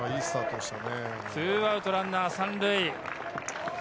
２アウトランナー３塁。